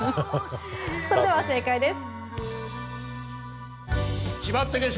それでは正解です。